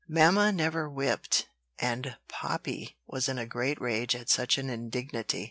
Mamma never whipped, and Poppy was in a great rage at such an indignity.